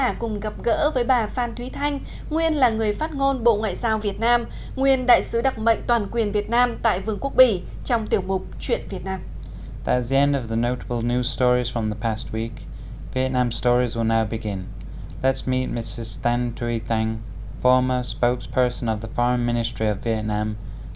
quý vị đã cùng gặp gỡ với bà phan thúy thanh nguyên là người phát ngôn bộ ngoại giao việt nam nguyên đại sứ đặc mệnh toàn quyền việt nam tại vương quốc bỉ trong tiểu mục chuyện việt nam